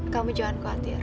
kamu jangan khawatir